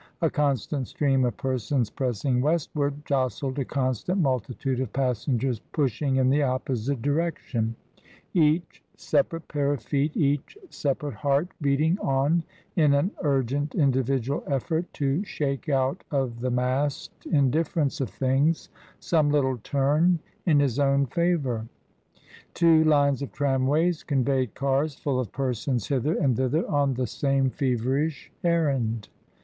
A constant stream of per 202 TRANSITION. sons pressing westward jostled a constant multitude of passengers pushing in the opposite direction — each sepa rate pair of feety each separate heart, beating on in an urgent individual effort to shake out of the massed " in difference of things" some little turn in his own favour. Two lines of tramways conveyed cars full of persons hither and thither on the same feverish errand.